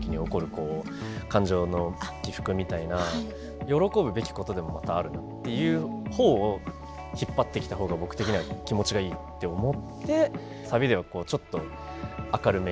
こう感情の起伏みたいな喜ぶべきことでもまたあるなっていう方を引っ張ってきた方が僕的には気持ちがいいって思ってサビではちょっと明るめに。